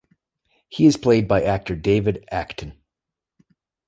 He is played by actor David Acton.